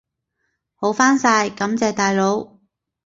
好返晒，感謝大佬！